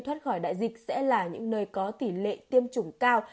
thoát khỏi đại dịch sẽ là những nơi có tỷ lệ tiêm chủng cao